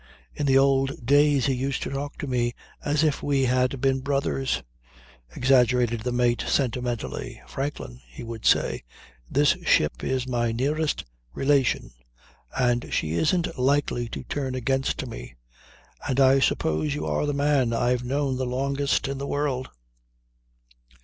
In the old days he used to talk to me as if we had been brothers," exaggerated the mate sentimentally. "'Franklin,' he would say 'this ship is my nearest relation and she isn't likely to turn against me. And I suppose you are the man I've known the longest in the world.'